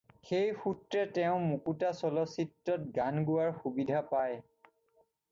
সেই সূত্ৰে তেওঁ মুকুতা চলচ্চিত্ৰত গান গোৱাৰ সুবিধা পায়।